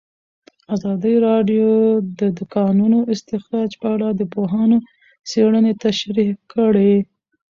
ازادي راډیو د د کانونو استخراج په اړه د پوهانو څېړنې تشریح کړې.